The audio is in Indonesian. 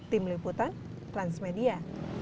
tim liputan transmedia